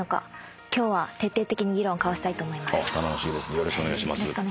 よろしくお願いします。